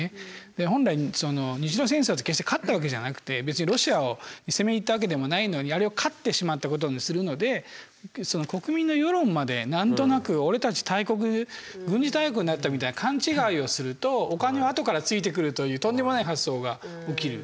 本来日露戦争は決して勝ったわけじゃなくて別にロシアに攻め入ったわけでもないのにあれを勝ってしまったことにするので国民の世論まで何となく俺たち大国軍事大国になったみたいな勘違いをするとお金は後からついてくるというとんでもない発想が起きる。